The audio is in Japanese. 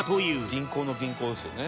「銀行の銀行ですよね」